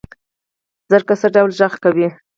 زرکه څه ډول غږ کوي؟